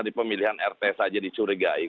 di pemilihan rt saja dicurigai